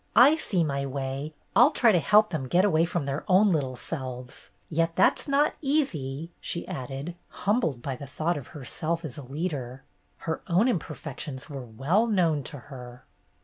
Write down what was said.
"I see my way. I'll try to help them get away from their own little selves — yet that 's not easy," she added, humbled by the thought of herself as a leader. Her own imperfections were well known to her.